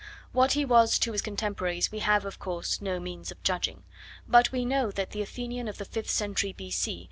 What he was to his contemporaries we have, of course, no means of judging, but we know that the Athenian of the fifth century B.C.